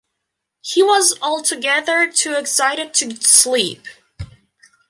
He was altogether too excited to sleep.